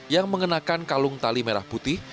yang mengenakan kalung tali merah putih